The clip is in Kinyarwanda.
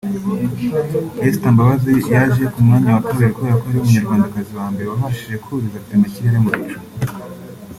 Esther Mbabazi yaje ku mwanya wa kabiri kubera ko ariwe munyarwandakazi wa mbere wabashije kuriza rutemikirere mu bicu